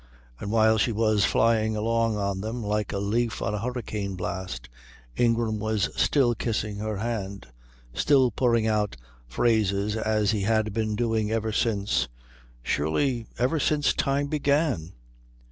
And while she was flying along on them like a leaf on a hurricane blast, Ingram was still kissing her hand, still pouring out phrases as he had been doing ever since surely ever since Time began?